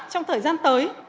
trong thời gian tới